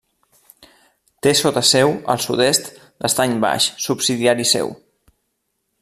Té sota seu, al sud-est, l'Estany Baix, subsidiari seu.